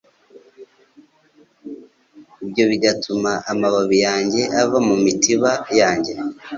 ibyo bigatuma amababi yanjye ava mumitiba yanjye